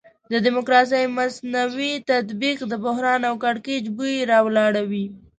د ډیموکراسي مصنوعي تطبیق د بحران او کړکېچ بوی راولاړوي.